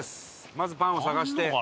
まずパンを探して。